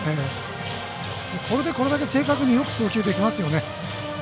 これで、これだけ正確によく送球できますよね。